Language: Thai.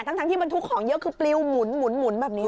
ทั้งที่บรรทุกของเยอะคือปลิวหมุนแบบนี้